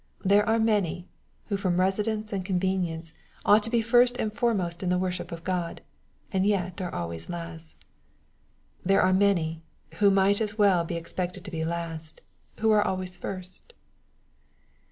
There are many, who from residence and convenience ought to be first and foremost in the worship of God, and yet are always last. There are many, who might well be ex pected to be last, who are always first.